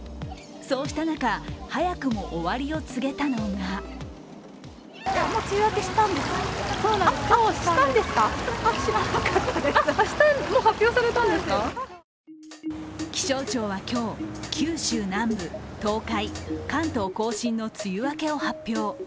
そうした中、早くも終わりを告げたのが気象庁は今日九州南部、東海、関東甲信の梅雨明けを発表。